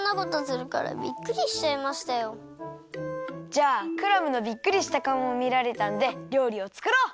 じゃあクラムのびっくりしたかおもみられたんで料理をつくろう！